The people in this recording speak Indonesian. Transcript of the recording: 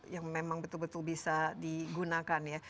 yang memang betul betul bisa digunakan ya